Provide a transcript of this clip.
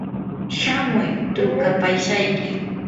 shamuy trukapashayki.